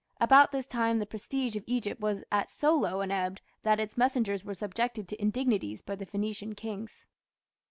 About this time the prestige of Egypt was at so low an ebb that its messengers were subjected to indignities by the Phoenician kings.